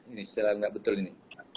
ini istilahnya enggak betul ini